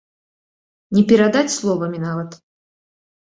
Не перадаць словамі нават.